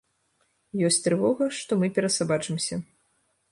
Ёсць трывога, што мы перасабачымся.